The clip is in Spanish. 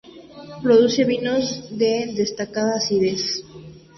Produce vinos de destacada acidez.